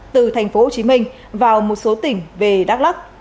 từ tp hcm vào một số tỉnh về đắk lắk